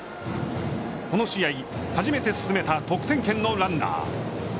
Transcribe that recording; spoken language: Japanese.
この試合初めて進めた得点圏のランナー。